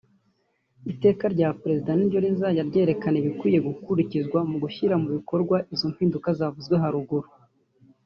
Iteka rya Perezida ni ryo rizajya ryerekana ibikwiye gukurikizwa mu gushyirwa mu bikorwa izo mpinduka zavuzwe hejuru